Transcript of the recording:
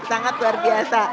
sangat luar biasa